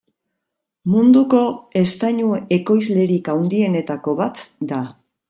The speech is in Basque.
Munduko eztainu ekoizlerik handienetako bat da.